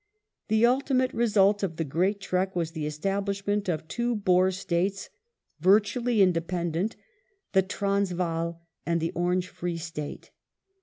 The ultimate result of the Great Trek was the establishment of two Boer States virtually independent, the Transvaal and the Orange Free State.